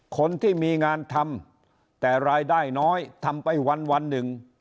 คนที่มีงานทำแต่รายได้น้อยทำไปวันหนึ่ง